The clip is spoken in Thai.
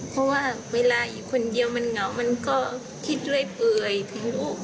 เพราะว่าเวลาอยู่คนเดียวมันเหงามันก็คิดด้วยเบื่อยถึงลูก